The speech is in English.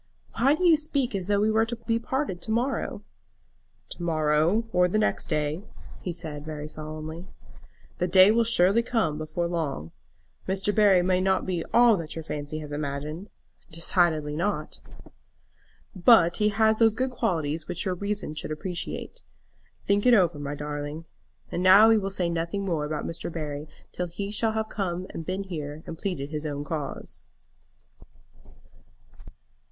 "Why do you speak as though we were to be parted to morrow?" "To morrow or next day," he said very solemnly. "The day will surely come before long. Mr. Barry may not be all that your fancy has imagined." "Decidedly not." "But he has those good qualities which your reason should appreciate. Think it over, my darling. And now we will say nothing more about Mr. Barry till he shall have been here and pleaded his own cause."